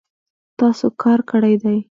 تاسو کار کړی دی